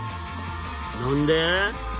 何で？